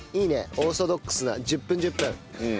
オーソドックスな１０分１０分。